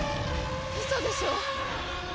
ウソでしょ！？